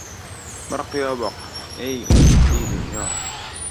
Bir qiyo boq, ey, umidli dunyo!